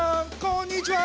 こんにちは。